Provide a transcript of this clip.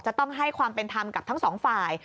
จะต้องให้ความเป็นธรรมกับทั้งสองฝ่าย